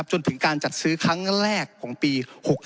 จนถึงการจัดซื้อครั้งแรกของปี๖๓